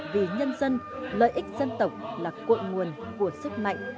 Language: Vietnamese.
vì nhân dân lợi ích dân tộc là cội nguồn của sức mạnh